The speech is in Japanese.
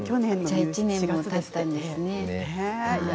じゃあもう１年たったんですね。